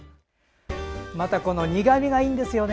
また苦みがいいんですよね。